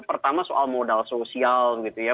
pertama soal modal sosial gitu ya